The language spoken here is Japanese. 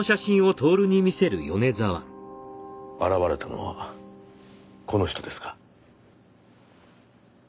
現れたのはこの人ですか？